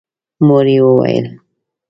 مور يې وويل: